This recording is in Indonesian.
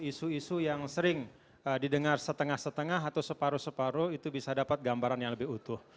isu isu yang sering didengar setengah setengah atau separuh separuh itu bisa dapat gambaran yang lebih utuh